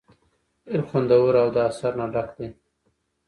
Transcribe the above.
ډېر خوندور او د اثر نه ډک دے ۔